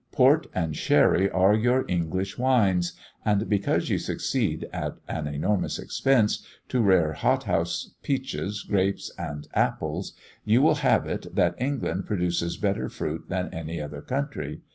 Port and sherry are your English wines; and because you succeed, at an enormous expense, to rear hothouse peaches, grapes, and apples, you will have it that England produces better fruit than any other country.